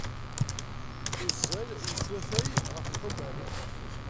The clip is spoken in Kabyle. Uzzal yettwatay ɣef lḥuman.